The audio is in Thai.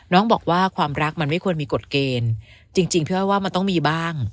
น้องบอกว่าความรักมันไม่ควรมีกฎเกณฑ์จริงพี่อ้อยว่ามันต้องมีบ้าง